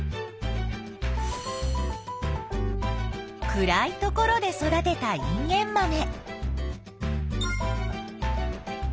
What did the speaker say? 暗い所で育てたインゲンマメ。